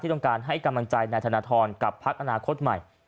ต้องการให้กำลังใจนายธนทรกับพักอนาคตใหม่